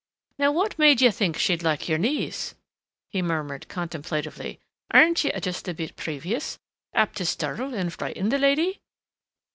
Now what made you think she'd like your knees?" he murmured contemplatively. "Aren't you just a bit previous? Apt to startle and frighten the lady?"